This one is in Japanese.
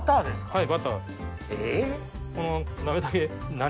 はい。